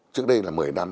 trước đây là một mươi năm